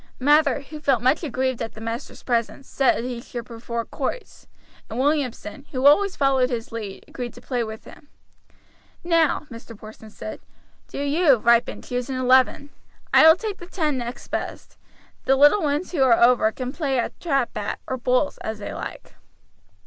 Mather, who felt much aggrieved at the master's presence, said he should prefer quoits; and Williamson, who always followed his lead, agreed to play with him. "Now," Mr. Porson said, "do you, Ripon, choose an eleven. I will take the ten next best. The little ones who are over can play at trap bat, or bowls, as they like."